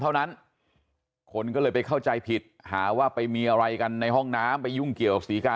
เท่านั้นคนก็เลยไปเข้าใจผิดหาว่าไปมีอะไรกันในห้องน้ำไปยุ่งเกี่ยวกับศรีกา